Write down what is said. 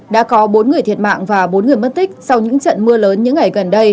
đã có bốn người thiệt mạng và bốn người mất tích sau những trận mưa lớn những ngày gần đây